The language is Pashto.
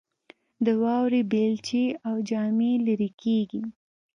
د واورې بیلچې او جامې لیرې کیږي